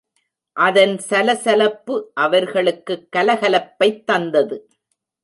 அதன் சலசலப்பு அவர்களுக்குக் கலகலப்பைத் தந்தது.